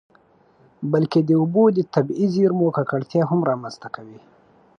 بلکې د اوبو د طبیعي زیرمو ککړتیا هم رامنځته کوي.